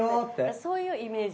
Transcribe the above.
そういうイメージ。